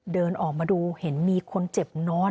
เดินออกมาดูเห็นมีคนเจ็บนอน